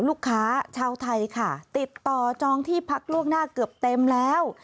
ลูกค้าชาวไทยค่ะติดต่อจองที่พักล่วงหน้าเกือบเต็มแล้ว